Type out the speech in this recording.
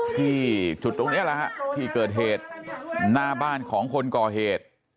ที่จุดตรงนี้แหละฮะที่เกิดเหตุหน้าบ้านของคนก่อเหตุ